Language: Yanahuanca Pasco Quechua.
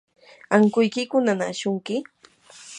¿ankuykiku nanaashunki?